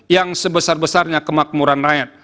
yang sebesar besarnya kemakmuran rakyat